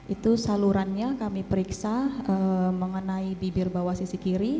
itu salurannya kami periksa mengenai bibir bawah sisi kiri